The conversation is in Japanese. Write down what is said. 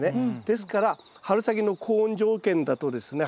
ですから春先の高温条件だとですね